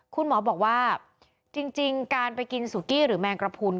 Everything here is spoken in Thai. คุณหมอบอกว่าจริงการไปกินสุกี้หรือแมงกระพุน